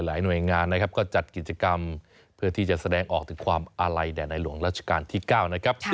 หน่วยงานนะครับก็จัดกิจกรรมเพื่อที่จะแสดงออกถึงความอาลัยแด่ในหลวงราชการที่๙นะครับ